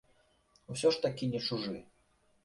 Усё ж такі не чужы.